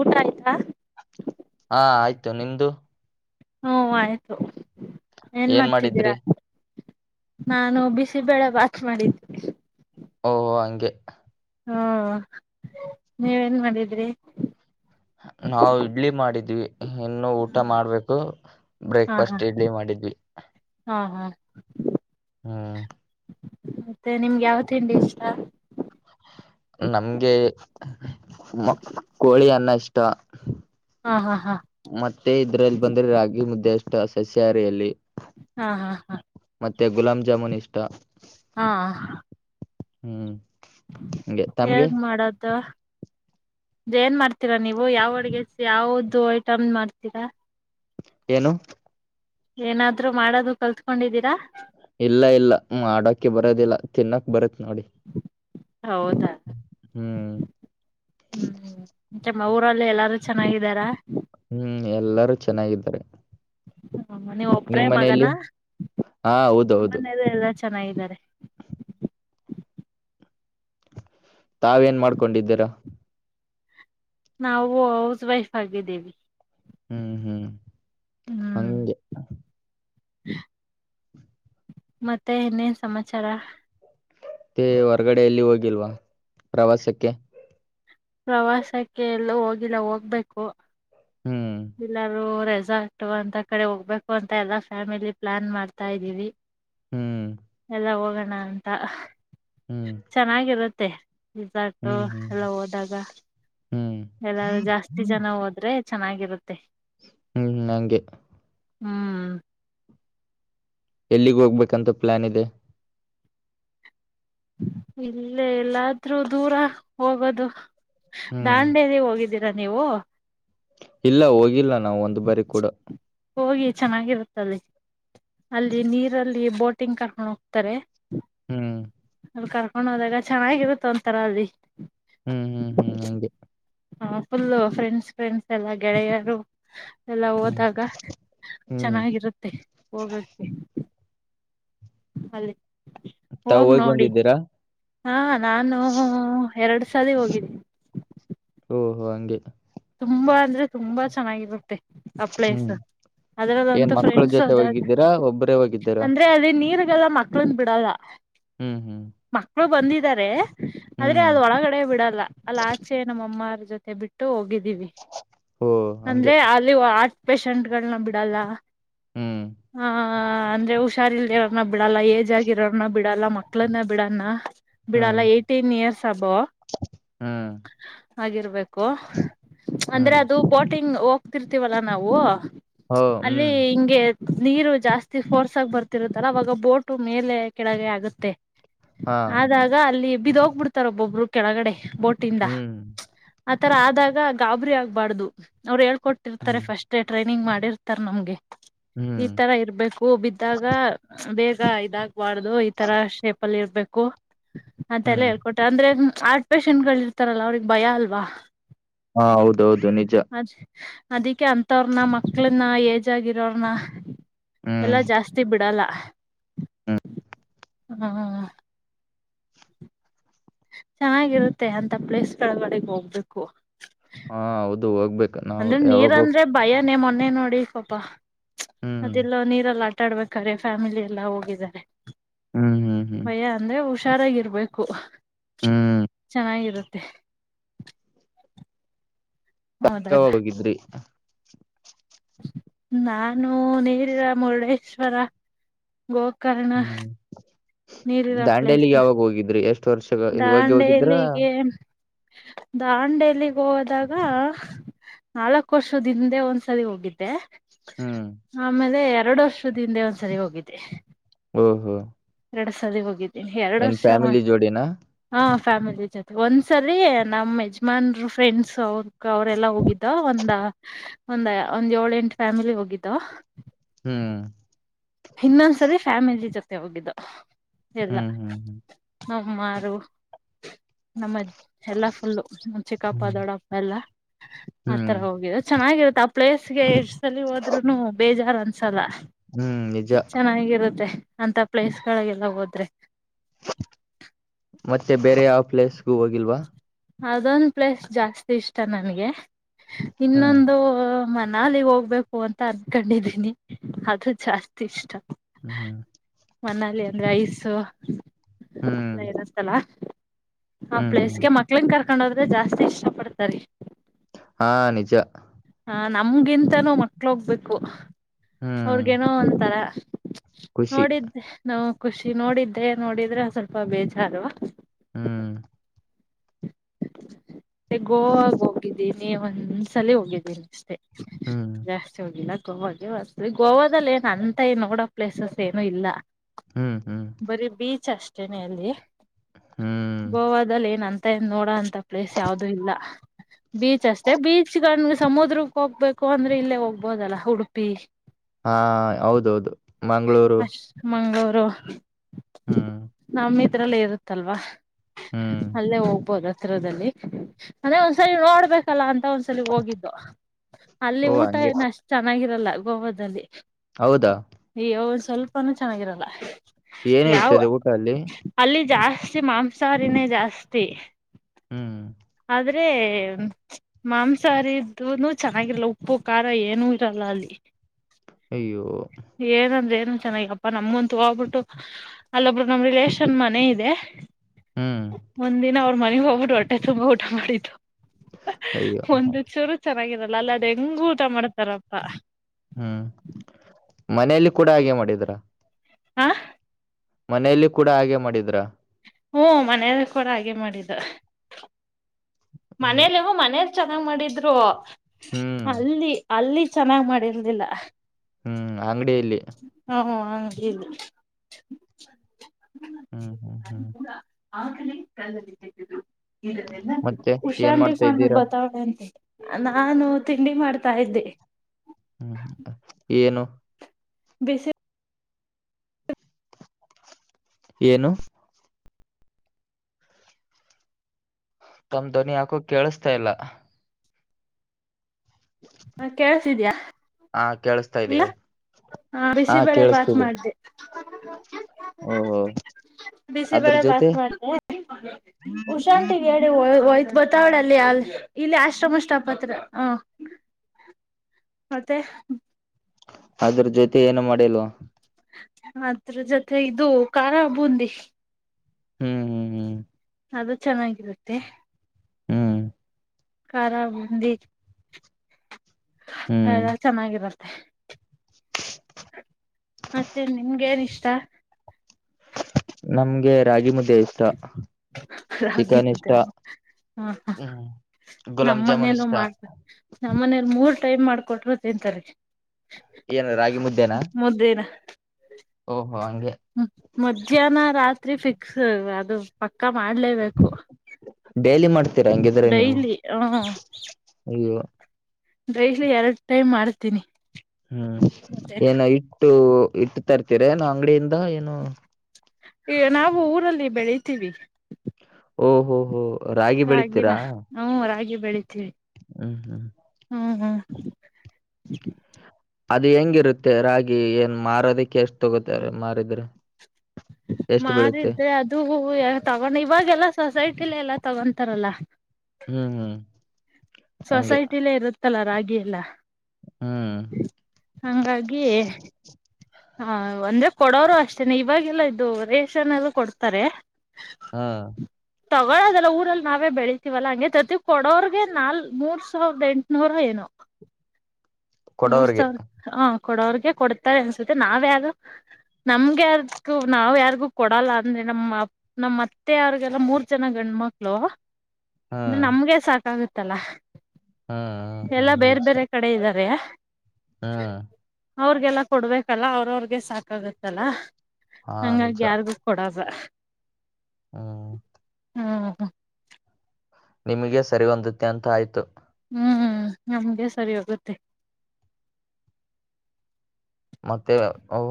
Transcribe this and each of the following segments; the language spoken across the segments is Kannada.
ಊಟ ಆಯ್ತಾ. ಹಾ ಆಯ್ತು ನಿಮ್ದು. ಹ್ಮ ಆಯ್ತು ಏನ್ ಮಾಡ್ತಿದ್ದೀರಾ. ನಾನು ಬಿಸಿಬೇಳೆ ವಾಚ್ ಮಾಡಿದ್ದ ಓಹಹೋ ಹಂಗೆ ಹಾ ನೀವೇನ್ ಮಾಡಿದ್ರಿ ನಾವು ಇಡ್ಲಿ ಮಾಡಿದ್ವಿ ಇನ್ನು ಊಟ ಮಾಡ್ಬೇಕು ಹಾ ಹಾ ಬ್ರೇಕ್ಫಾಸ್ಟ್ ಇಡ್ಲಿ ಮಾಡಿದ್ವಿ ಹಾ ಹಾ ಹ್ಮ ಮತ್ತೆ ನಿಮ್ಗೆ ಯಾವ ತಿಂಡಿ ಇಷ್ಟ ನಮ್ಗೆ ಮ ಕೋಳಿ ಅನ್ನ ಇಷ್ಟ ಹಾ ಹಾ ಹಾ ಮತ್ತೆ ಇದ್ರಲ್ಲಿ ಬಂದ್ರೆ ರಾಗಿ ಮುದ್ದೆ ಅಷ್ಟ ಸಸ್ಯಾಹಾರಿಯಲ್ಲಿ ಹಾ ಹಾ ಹಾ ಮತ್ತೆ ಗುಲಾಬ್ ಜಾಮೂನ್ ಇಷ್ಟ ಹಾ ಹ್ಮ್ ಹಂಗೆ ತಮ್ಗೆ ಹೇಗ್ ಮಾಡದ ಏನ್ ಮಾಡ್ತೀರಾ ನೀವು ಯಾವ ಅಡ್ಗೆ ಯಾವ್ದು ಐಟಮ್ ಮಾಡ್ತೀರಾ ಏನು ಏನಾದ್ರು ಮಾಡೋದು ಕಲ್ತ್ಕೊಂಡಿದ್ದೀರಾ ಇಲ್ಲ ಇಲ್ಲ ಮಾಡೋಕ ಬರೋದಿಲ್ಲ ತಿನ್ನಕ್ ಬರತ್ ನೋಡಿ ಹೌದಾ ಹ್ಮ್ ಹ್ಮ್್ಮ ಮೆಮ್ಮ ಊರಲ್ಲಿ ಎಲ್ಲಾರು ಚೆನ್ನಾಗಿದಾರ ಹ್ಮ್ ಎಲ್ಲರೂ ಚೆನ್ನಾಗಿದ್ದಾರೆ ಹಮ್ಮ ನೀವ್ ಒಬ್ರೇ ನಿಮ್ ಮಗನ ಮನೆಯಲ್ಲಿ ಹಾ ಹೌದೌದು ಮನ ಎಲ್ಲ ಚೆನ್ನಾಗಿದ್ದಾರೆ [inaudible] ತಾವೇಏನ್ ಮಾಡ್ಕೊಂಡಿದ್ದೀರಾ ನಾವು ಹೌಸ್ ವೈಫ್ ಆಗಿದ್ದೀವಿ ಹ್ಮ್ ಹ್ಮ್ ಹ್ಮ್ ಹಾಂಗ್ ಮತ್ತೆ ಇನ್ನೇ ಸಮಾಚಾರ ಮತ್ತೆ ಹೊರ್ಗಡೆಯಲ್ಲಿ ಹೋಗಿಲ್ವಾ ಪ್ರವಾಸಕ್ಕೆ ಪ್ರವಾಸಕ್ಕೆ ಎಲ್ಲೂ ಹೋಗಿಲ್ಲ ಹೋಗ್ಬೇಕು ಹ್ಮ್ ಎಲ್ಲರೂ ರೆಸಾರ್ಟ್ ಅಂತ ಕಡೆ ಹೋಗ್ಬೇಕು ಅಂತ ಎಲ್ಲ ಫ್ಯಾಮಿಲಿ ಪ್ಲಾನ್ ಮಾಡ್ತಾ ಇದ್ದೀವಿ ಹ್ಮ್ ಲ್ಲ ಹೋಗೋಣ ಅಂತ ಹ್ಮ್ ಚೆನ್ನಾಗಿರುತ್ತೆ ಇಜ ಆತು ಹ್ಮ್ ಹ್ಮ್ ಎಲ್ಲ ಹೋದಾಗ ಹ್ಮ್ ಹ್ಮ್ ಎಲ್ಲಾರೂ ಜಾಸ್ತಿ ಜನ ಹೋದ್ರೆ ಚೆನ್ನಾಗಿರುತ್ತೆ ಹ್ಮ್ ನಂಗೆ ಹ್ಮ್ ಎಲ್ಲಿಗ್ ಹೋಗ್ಬೇಕಂತ ಪ್ಲಾನ್ ಇದೆ. ಇಲ್ಲೇ ಎಲ್ಲಾದ್ರೂ ದೂರ ಹೋಗೋದು. ಹ್ಮ್ ದಾಂಡೇಲಿ ಹೋಗಿದಿರಾ ನೀವು ಇಲ್ಲ ಹೋಗಿಲ್ಲ ನಾವು ಒಂದ್ ಬಾರಿ ಕೂಡ ಹೋಗಿ ಚೆನ್ನಾಗಿರುತ್ತ್ ಅಲ್ಲಿ ನೀರಲ್ಲಿ ಬೋಟಿಂಗ್ ಕರ್ಕೊಂಡು ಹೋಗ್ತಾರೆ. ಹ್ಮ್ ಅಲ್ಲಿ ಕರ್ಕೊಂಡ್ ಹೋದಾಗ ಚೆನ್ನಾಗಿರುತ್ತ ಒಂತರ ಅಲ್ಲಿ ಹಾಗೆ ಹ ಫುಲ್ಲ ಫ್ರೆಂಡ್ಸ್ ಫ್ರೆಂಡ್ಸ್ ಎಲ್ಲ ಗೆಳೆಯರು ಎಲ್ಲ ಹ್ಮ್ ಹೋದಾಗ ಹ್ಮ್ ಚೆನ್ನಾಗಿರುತ್ತೆ ಹೋಗಕ್ಕೆ [unintelligible] ತಾವ್ ಹೋಗ್ ಹೋಗಿ ನೋಡಿ ಬಂದಿದ್ದೀರಾ. ಹಾ ನಾನು ಎರಡು ಸಾರಿ ಹೋಗಿದ್ದೀನಿ. ಓಹೋ ಹಂಗೆ ತುಂಬಾ ಅಂದ್ರೆ ತುಂಬಾ ಚೆನ್ನಾಗಿರುತ್ತೆ ಆ ಪ್ಲೇಸ್. ಹ್ಮ್ ಏನ್ ಅದ್ರದಂತ ಮಕ್ಕಳ ಫ್ರೆಂಡ್ಸ್ ಜೊತೆ ಹದ ಹೋಗಿದ್ದೀರಾ ಒಬ್ಬರೇ ಹೋಗಿದ್ದೀರಾ ಅಂದ್ರೆ ಅಲ್ಲಿ ನೀರ್ಗದ ಮ [unintelligible] ಬಿಡಲ್ಲ ಹ್ಮ್ ಹ್ಮ್ ಮಕ್ಕಳು ಬಂದಿದ್ದಾರೆ ಆದ್ರೆ ಹ್ಮ್ ಅದ ಒಳಗಡೆ ಬಿಡಲ್ಲ ಅಲ್ಲ ಆಚೆ ನಮ್ಮಅಮ್ಮರ ಜೊತೆ ಬಿಟ್ಟು ಹೋಗಿದ್ದೀವಿ ಓ ಹಂಗೆ ಅಂದ್ರೆ ಅಲ್ಲಿ ಹಾರ್ಟ್ ಪೆಷಂಟ್ಗಳನ್ನ ಬಿಡಲ್ಲ. ಹ್ಮ್ ಹಾ ಅಂದ್ರೆ ಹುಷಾರಿಲ್ದೆ. ಬಿಡಲ್ಲ ಏಜ್ ಆಗಿರೋನ ಬಿಡಲ್ಲ ಮಕ್ಕಳನ್ನ ಬಿಡಣ ಹ್ಮ್ ಬಿಡಲ್ಲ ಏ ಪೋರ್ಟೆನ್ ಇಯರ್ಸ್ ಅಬೋ ಹ್ಮ್ ಆಗಿರ್ಬೇಕು. ಅಂದ್ರೆ ಹ್ಮ್ ಅದು ಬೋಟಿಂಗ್ ಹೋಗ್ತಿರ್ತೀವಲ್ಲ ನಾವು ಓ ಅಲ್ಲಿ ಹ್ಮ್ ಹಿಂಗೆ ನೀರು ಜಾಸ್ತಿ ಫೋರ್ಸ್ ಆಗಿ ಬರ್ತಿರುತ್ತಲ್ಲ ಅವಾಗ ಬೋಟು ಮೇಲೆ ಕೆಳಗೆ ಆಗುತ್ತೆ. ಹಾ ಆದಾಗ ಅಲ್ಲಿ ಬಿದ್ ಹೋಗ್ಬಿಡ್ತಾರ್ ಒಬ್ಬೊಬ್ರು ಕೆಳಗಡೆ ಬೋಟಿಂದ. ಹ್ಮ್ ಆತರ ಆದಾಗ ಗಾಬರಿ ಆಗ್ಬಾರ್ದ ಅವ್ರು ಹೇಳ್ಕೊಟ್ಟಿರ್ತಾರೆ ಹ್ಮ್ ಫಸ್ಟ್. ಮೆ ಟ್ರೈನಿಂಗ್ ಮಾಡಿರ್ತಾರ್ ನಮ್ಗೆ ಹ್ಮ್ ಈ ತರ ಇರ್ಬೇಕು ಹೂ ಬಿದ್ದಾಗ ಬೇಗ ಇದಾಗಬಾರ್ದು ಈ ತರ ಶೇಪ ಅಲ್ಲಿ ಇರ್ಬೇಕು ಮತ್ತೆಲ್ಲ ಹ್ಮ್ ಹೇಳ್ಕೊಟಾರ ಅಂದ್ರೆ ಆರ್ಟ್ ಪೇೇಶೆಂಟ್ ಗಳು ಇರ್ತಾರಲ್ಲ ಅವ್ರಗ್ ಭಯ ಅಲ್ವಾ ಹಾ ಹೌದೌದು ನಿಜ ಅದಕ್ಕೆ ಅಂತವ್ರನ ಮಕ್ಳನ್ನ ಏಜ್ ಆಗಿರೋರನ ಹ್ಮ್ ಎಲ್ಲಾ ಜಾಸ್ತಿ ಬಿಡಲ್ಲ ಹ್ಮ ಚೆನ್ನಾಗಿರುತ್ತೆ ಅಂತ ಪ್ಲೇಸ್ ಗಳಗಿ ಡೆಗೆ ಹೋಗ್ಬೇಕು ಹಾ ಹೌದು ಹೋಗ್ಬೇಕು ನಾವು ಅಂದ್ರೆ ನೀರ್ ಯಾವಾಗ ಹೋಗ್ ಅಂದ್ರೆ ಭಯನೇ ಮೊನ್ನೆ ನೋಡಿ ಪಾಪಾ ಹ್ಮ್ ಅದೆಲ್ಲ ನೀರೆಲ್ಲ ಆಟ ಆಡ್ಬೇಕ್ರೆ ಫ್ಯಾಮಿಲಿ ಎಲ್ಲ ಹೋಗಿದ್ದಾರೆ ಹ್ಮ್ ಹ್ಮ್ ಹ್ಮ್ ಭಯ ಅಂದ್ರೆ ಹುಷಾರಾಗಿರ್ಬೇಕು ಹ್ಮ್ ಚೆನ್ನಾಗಿರುತ್ತೆ ಚ ಹೋದಾಗ ಹೋಗಿದ್ರಿ ನಾನು ನೀರಿರ ಮುರುಡೇಶ್ವರ ಗೋಕರ್ಣ ಹ್ಮ್ ದಾಂಡ್ಯಲಿಗ್ ಯಾವಾಗ ಹೋಗಿದ್ರೆ ಎಷ್ಟು ವರ್ಷ ಇವಾಗ ಹೋಗಿದ್ರ ದಾಂಡೇಲಗೆ ದಾಂಡೇಲಿಗೆ ಹೋದಾಗ ನಾಲ್ಕ್ ವರ್ಷದಿಂದೆ ಒಂದ್ಸರಿ ಹೋಗಿದ್ದೆ ಹ್ಮ್ ಆಮೇಲೆ ಎರಡು ವರ್ಷದ ಹಿಂದೆ ಒಂದ್ಸರಿ ಹೋಗಿದ್ದೆ ಓ ಹೋ ಎರಡ್ ಸಾರಿಿಗೆ ಹೋಗಿದ್ದೀನಿ ಎರಡು ವರ್ಷ ಮ ಫ್ಯಾಮಿಲಿ ಜೋಡಿನಾ ಹ ಫ್ಯಾಮಿಲಿ ಜೊತೆ ಒಂದ್ಸರಿ ನಮ್ಮ್ ಯಜಮಾನ್ರ ಫ್ರೆಂಡ್ಸ್ ಅವ್ರ ಅವ್ರಲ್ಲಾ ಹೋಗಿದ್ರು ಒಂದ ಒಂದ ಒಂದ್ ಏಳ ಎಂಟು ಫ್ಯಾಮಿಲಿ ಹೋಗಿದ್ದ ಹ್ಮ್ ಇನ್ನೊಂದ್ಸರಿ ಫ್ಯಾಮಿಲಿ ಜೊತೆ ಹೋಗಿದ್ದು ಎಲ್ಲ ಹ್ಮ್ ಹ್ಮ್ ಹ್ಮ್ ನಮ್ಮ ಮಾರು ನಮ್ಮ ಎಲ್ಲಾ ಫುಲ್ಲು ಚಿಕ್ಕಪ್ಪ ಹ್ಮ್ ದೊಡ್ಡಪ್ಪ ಎಲ್ಲ ಹ್ಮ್ ಆತರ ಹೋಗಿದೆ ಚೆನ್ನಾಗಿರುತ್ತೆ ಆ ಪ್ಲೇಸ್ ಗೆ ಇಷ್ಟಲ್ಲಿ ಹೋದ್ರುನು ಬೇಜಾರ್ು ಅನ್ಸಲ್ಲ ಹ್ಮ್ ನಿಜ ಚೆನ್ನಾಗಿರುತ್ತೆ ಅಂತ ಪ್ಲೇಸ್ಗಳಿಗೆಲ್ಲ ಹೋದ್ರೆ ಮತ್ತೆ ಬೇರೆ ಯಾವ ಪ್ಲೇಸ್ಗೂ ಹೋಗಿಲ್ವಾ ಅದೊಂದು ಪ್ಲಸ್ ಜಾಸ್ತಿ ಇಷ್ಟ ನನ್ಗೆ ಹ್ಮ್ ಇನ್ನೊಂದು ಮನಾಲ ಹೋಗ್ಬೇಕು ಅಂತ ಅನ್ಕೊಂಡಿದೀನಿ ಅದುದು ಜಾಸ್ತಿ ಇಷ್ಟ ಹ್ಮ್ ಹ್ಮ ಮನಾಲ ಅಂದ್ರೆ ಐಸ ಹ್ಮ್ ಎಲ್ಲ ಏನ್ತಲ್ಲ ಆ ಹ್ಮ್ ಹ್ಮ್ ಪ್ಲೇಸ್ಗೆ ಮಕ್ಳನ್ ಕರ್ಕೊಂಡೋದ್ರೆ ಜಾಸ್ತಿ ಇಷ್ಟ ಪಡ್ತಾರಿ ಹಾ ನಿಜ ಹ ನಮ್ಗಿಂತನೂ ಮಕ್ಳ ಹೋಗ್ಬೇಕು ಹ್ಮ್ ಅವ್ರಗೇನೋ ಒಂತಾರ ಖುಷಿ ನೋಡಿದ್ದೆ ನಾವು ಖುಷಿ ನೋಡಿದ್ದೆ ನೋಡಿದ್ರೆ ಸ್ವಲ್ಪ ಬೇಜಾರವಾ ಹ್ಮ್ ಮೆ ಗೋವಾಗ ಹೋಗಿದ್ದೀನಿ ಒಂದ್ಸಲ ಹೋಗಿದ್ದೀನಿ ಅಷ್ಟೆ ಹ್ಮ್ ಜಾಸ್ತಿ ಹೋಗಿಲ್ಲ ಗೋವಾಗೆ ವಸ್ತ ಗೋವಾದಲ್ಲಿ ಏನ್ ಅಂತ ಈ ನೋಡೋ ಪ್ಲೇಸಸ್ ಏನು ಇಲ್ಲ ಹ್ಮ್ ಹ್ಮ್ ಬರೀ ಬೀಚ್ ಅಷ್ಟೇನೆ ಅಲ್ಲಿ ಹ್ಮ್ ಬೋವಾದಲ್ಲಿ ಏನ್ ಅಂತ ನೋಡ ಅಂತ ಪ್ಲೇಸ್ ಯಾವ್ದೂ ಇಲ್ಲ ಬೀಚ್ ಅಷ್ಟೆ ಬೀಚ್ ನ್ ಸಮುದ್ರ ಹೋಗ್ಬೇಕು ಅಂದ್ರೆ ಇಲ್ಲೇ ಹೋಗ್ಬೋದಲ್ಲ ಉಡುಪಿ ಹಾ ಹೌದೌದು ಮಂ್ಗಳೂರು ಅಶ್ ಮಂಗಗಳೂರು ಹ್ಮ್ ನಂಬಿದರಲ್ಲೇ ಇರುತ್ತಲ್ವಾ ಹ್ಮ್ ಅಲ್ಲೇ ಹೋಗ್ಬೋದು ಹತ್ತಿರದಲ್ಲಿ ಅದೇ ಒಂದ್ಸಲ ನೋಡಬೇಕಲ್ಲ ಅಂತ ಒಂದ್ಸಲ ಹೋಗಿದ್ದು ಅಲ್ಲಿ ಓ ಊಟ ಹಂಗೆ ಚೆನ್ನಾಗಿರಲ್ಲ ಗೋವಾದಲ್ಲಿ ಹೌದಾ ಅಯ್ಯೋ ಸ್ವಲ್ಪಾನು ಚೆನ್ನಾಗಿರಲ್ಲ ಯಾವ ಏನಿರ್ತದೆ ಊಟ ಅಲ್ಲಿ ಅಲ್ಲಿ ಜಾಸ್ತಿ ಮಾಂಸಾಹಾರಿನೇ ಜಾಸ್ತಿ ಹ್ಮ್ ಆದ್ರೆ ಮಾಂಸಹಾರಿದ್ದನು ಚೆನ್ನಾಗಿರ್ಲ್ಲ ಉಪ್ಪು ಖಾರ ಏನು ಇರಲ್ಲ ಅಲ್ಲಿ ಅಯ್ಯೋ ಏನಂದ್ರೆ ಏನ ಚೆನ್ನಾಗಿರಲ್ಲಪ್ಪ ನಮ್ಮಂತು ಹೋಗ್ಬಿಟ್ಟು ಅಲ್ಲೊಬ್ಬರುದು ನಮ್ ರಿಲೇಶನ್ ಮನೆ ಇದೆ ಹ್ಮ್ ಒಂದ ದಿನ ಅವ್ರ ಮನೆಗ್ ಹೋಗ್ಬಿಟ್ಟು ಹೊಟ್ಟೆ ತುಂಬಾ ಊಟ ಮಾಡಿದ್ದು ಅಯ್ಯೋ ಒಂದು ಚೂರು ಚೆನ್ನಾಗಿರಲ್ಲ ಅಲ್ಲ ಅದ ಹೆಂಗ ಊಟ ಮಾಡ್ತಾರಪ್ಪ ಹ್ಮ್ ಮನೆಯಲ್ಲಿ ಕೂಡ ಹಾಗೆ ಮಾಡಿದರ ಹಾ ಮನೆಯಲ್ಲಿ ಕೂಡ ಹಾಗೆ ಮಾಡಿದ್ರ ಹು ಮನೆಯ್ಲಲಿ ಕೂಡ ಹಾಗೆ ಮಾಡಿದ್ದ ಹ್ಮ್ ಮನೇಲಿವೋ ಮನೇಲಿ ಚೆನ್ನಾಗ್ ಮಾಡಿದ್ರು ಅಲ್ಲಿ ಅಲ್ಲಿ ಚೆನ್ನಾಗ್ ಮಾಡಿರ್ದಿಲ್ಲ ಹ್ಮ್ ಅಂಗಡಿಯಲ್ಲಿ ಹಾ ಹಂಗ ಇಲ್ಲಿ ಹ್ಮ್ ಹ್ಮ್ ಾನ ಹ್ಮ್ ಕೂಡ ಆಗಲೇ ಕಲಲ್ಲಿ ಕೆಟ್ಟು ಮತ್ತೆ ಇಲ್ಲದೆ ಏನ್ ಮಾಡ್ತಾ ಉಷಾಿಫಣ ಇದ್ದೀರಾ ಬತಾವಣೆ ಅಂತ ನಾನು ತಿಂಡಿ ಮಾಡ್ತಾ ಇದ್ದೆ ಹ್ಮ್ ಏನು ಬಸಿ ಏನು ತಮ್ಮ್ ದ್ವನಿ ಹಾಕೋ ಕೇಳಿಸ್ತಾ ಇಲ್ಲ ಹ ಕೆೇಸ ಇದ್ಯಾಾ ಆ ಕೇಳುಸ್ತಾ ಆ ಬಿಸಿಬೇಳೆ ಬಾತ್ ಕೇಳಿಸ್ತಿದೆ ಮಾಡಿದ್ದೆ ಓಹೋ ಅದ್ರ ಬಿಸಿಗಡೆ ಬಾತ್ ಜೊತೆ ಮಾಡಿದೆ ಉಷಾಂತ್ [unintelligible] ಹೇಳ ಒಯ್ತ ಬತಾವಳ ಅಲ್ಲಿ ಅಲ್ಲಿ ಇಲ್ಲಿ ಆಶ್ರಮಷ್ಟಾಪ್ ಹತ್ರ ಹ ಮತ್ತೆ ಅದ್ರ ಜೊತೆ ಏನು ಮಾಡೇಲ್ವ ಅ ಜೊತೆ ಇದು ಖಾರ ಬೂಂದಿ ಹ್ಮ್ ಹ್ಮ್ ಹ್ಮ್ ಅದು ಚೆನ್ನಾಗಿರುತ್ತೆ ಹ್ಮ್ ಖರಬಂದಿ ಹ್ಮ್ ಹ ಚೆನ್ನಾಗಿರತ್ತೆ ಮ ಮತ್ತೆ ನಿಮ್ಗೆ ಏನ್ ಇಷ್ಟ ನಮ್ಗೆ ರಾಜೀ ಮುದ್ದೇಶ ರಾಗಿ ಮತ್ತ ಅಮ್ಮ ಹಾ ಹ್ಮ್ ಗುಲಾಬ್ ಜಾಮೂನ್ ನಮ್ಮನೇಲ್ಲೂ ಇಷ್ಟ ಮಾಡಬೇಕ ನಮ್ಮ್ ಮನೇಲ್ ಮೂರ್ ಟೈಮ್ ಮಾಡ್ಕೊಟ್್ರರು ತಿಂತಾರೆ ಏನು ರಾಗಿ ಮುದ್ದೇನಾ ಮುದೇನ ಓಹೋ ಹಂಗೆ ಹ್ಮ ಮಧ್ಯಾಹ್ನ ರಾತ್ರಿ ಫಿಕ್ಸ್ ಅದು ಪಕ್ಕ ಮಾಡ್ಲೇಬೇಕು ಡೈಲಿ ಮಾಡ್ತೀರಾ ಹಂಗಿದ್ರೆ ನೀವು ಡೈಲಿ ಹ ಅಯ್ಯೋ ಡೈಲಿ ಎರಡು ಟೈಮ್ ಮಾಡ್ತೀನಿ ಹ್ಮ್ ಮತ್ತೇನ ಏನ ಹಿಟ್ಟು ಇಟ್ಟತರ್ತೀರ ನಾ ಅಂಗಡಿಯಿಂದ ಏನು ಏ ನಾವು ಊರಲ್ಲಿ ಬೆಳಿತೀವಿ ಓ ಹೋ ಹೋ ರಾಗಿ ರಾಗಿನ ಬೆಳಿತೀರಾ ಹ್ಮ್ ರಾಗಿ ಬೆಳಿತೀವಿ ಹ್ಮ್ ಹ್ಮ್ ಹ್ಮ್ ಹ್ಮ್ ಅದು ಹೆಂಗಿರುತ್ತೆ ರಾಗಿ ಏನ್ ಮಾರೋದಿಕ್ಕೆ ಎಷ್ಟು ತಗೋತಾರೆ ಮಾರಿದ್ರೆ ಎಷ್ಟು ಬೀಳುತ್ತೆ ಮಾರಿದ್ರೆ ಅದು ತಗೊಂಡ ಇವಾಗೆಲ್ಲ ಸೊಸೈಟಿಲಿ ಎಲ್ಲ ತಗೊಂತಾರಲ್ಲ. ಹ್ಮ್ ಹ್ಮ್. ಹಂಗೆ ಸೊಸೈಟಿಲ್ಲೇ ಇರುತ್ತಲ್ಲ ರಾಗಿ ಎಲ್ಲಾ. ಹ್ಮ್ ಹಂಗಾಗಿ. ಹಾ ಅಂದ್ರೆ ಕೊಡೋರು ಅಷ್ಟೇನೆ ಇವಾಗೆಲ್ಲ ಇದು ರೇಷನ್ ಅಲ್ಲಿ ಕೊಡ್ತಾರೆ. ಹಾ. ತಗೊಳದಲ್ಲ ಊರಲ್ಲಿ ನಾವೇ ಬೆಳತೀವಲ್ಲಾ ಹಂಗೆ ತರ್ತೀವಿ ಕೊಡೋರ್ಗೆ ನಾಲ್ ಮೂರ್ ಸಾವಿರದ ಎಂಟುನೂರ ಏನು. ಮೂರ್ ಕೊಡೋರ್ಗೆ ಸಾವಿರ ಹಾ ಕೊಡೋವ್ರಗೆ ಕೊಡ್ತಾರೆ ಅನ್ಸುತ್ತೆ ನಾವ್ಯಾಗ. ನಮ್ಗೆ ಯಾರಕ್ಕು ನಾವ್ ಯಾರಿಗೂ ಕೊಡಲ್ಲ ಅಂದ್ರೆ ನಮ್ಮ ಅಪ್ ನಮ ಅತ್ತೆ ಅವ್ರಗೆಲ್ಲ ಮೂರ್ ಜನ ಗಂಡ ಮಕ್ಳು. ಅಂದ್ರೆ ಹ್ಮ್ ನಮ್ಗೆ ಸಾಕಾಗುತ್ತಲ್ಲ. ಹ್ಮ್ ಹ್ಮ್ ಹ್ಮ್ ಎಲ್ಲಾ ಬೇರೆ ಬೇರೆ ಕಡೆ ಇದ್ದಾರೆ. ಹಾ. ಅವ್ರಗೆಲ್ಲ ಕೊಡ್ಬೇಕಲ್ಲ ಅವ್ರ ಅವ್ರಗೆ ಸಾಕಾಗತ್ತಲ್ಲ ಹಾ ಹಂಗಾಗಿ ಯಾರಿಗು ಕೊಡಲ್ಲಾ. ಹ್ಮ. ಹ್ಮ್ ನಿಮಗೆ ಸರಿ ಹೊಂದುತ್ತೆ ಅಂತ ಆಯ್ತು. ಹ್ಮ್ ಹ್ಮ್ ನಮ್ಗೆ ಸರಿ ಹೊಗುತ್ತೆ. ಮತ್ತೆ ಅವು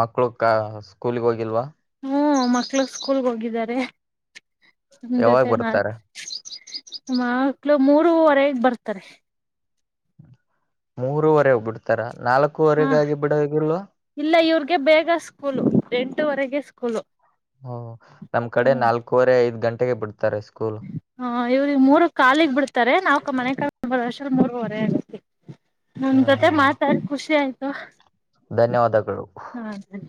ಮಕ್ಳು ಕ ಸ್ಕೂಲ್ಗೆ ಹೋಗಿಲ್ವಾ. ಹ್ಮ ಮಕ್ಳ ಸ್ಕೂಲ್ಗೆ ಹೋಗಿದ್ದಾರೆ ನಮ್ ಯಾವಾಗ ಜೊತೆ ಮಾತ್ ಬರ್ತಾರೆ ಮಕ್ಳು ಮೂರವರೆಗೆ ಬರ್ತಾರೆ. ಮೂರೂವರೆಗ ಬಿಡ್ತಾರ ಹಾ ನಾಲ್ಕೂವರೆಗಾಗಿ ಬಿಡೋಗಲ್ವ. ಇಲ್ಲ ಇವ್ರಿಗೆ ಬೇಗ ಸ್ಕೂಲು ಎಂಟುವರೆಗೆ ಸ್ಕೂಲು. ಹ್ಮ ನಮ್ ಕಡೆ ಹ್ಮ್ ನಾಲ್ಕೂವರೆ ಐದ್ ಗಂಟೆಗೆ ಬಿಡ್ತಾರೆ ಸ್ಕೂಲ್. ಹಾ ಇವ್ರಿಗೆ ಮೂರು ಕಾಲಿಗ್ ಬಿಡ್ತಾರೆ ನಾವ್ಕ ಮನೆ ವರ್ಷ ಮೂರ್ವರೆ ಆಗತ. ನಿಮ್ ಹ್ಮ್ ಜೊತೆ ಹ್ಮ್ ಮಾತಾಡ್ ಖುಷಿ ಆಯ್ತು. ಧನ್ಯವಾದಗಳು. ಹಾ ಸರಿ.